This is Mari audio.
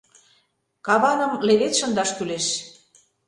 Каваным левед шындаш кӱлеш.